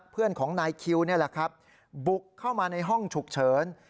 เพื่อนของนายคิวนี่แหละครับบุกเข้ามาในห้องฉุกเฉิน